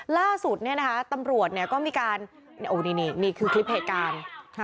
ล่าสุดตำรวจก็มีการนี่คลิปเหตุการณ์